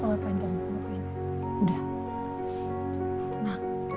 mau ngapain jangan ngapain ya